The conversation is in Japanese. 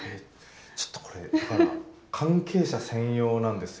ちょっとこれ関係者専用なんですよ。